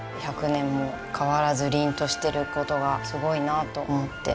１００年も変わらずりんとしてる事がすごいなと思って。